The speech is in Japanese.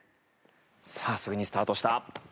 さあすぐにスタートした。